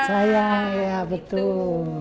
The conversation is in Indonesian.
sayang ya betul